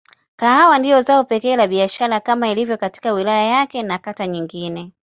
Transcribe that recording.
Kahawa ndilo zao pekee la biashara kama ilivyo katika wilaya yake na kata nyingine.